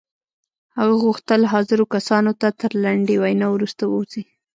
هغه غوښتل حاضرو کسانو ته تر لنډې وينا وروسته ووځي.